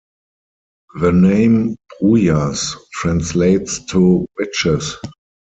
The name Brujas translates to "Witches".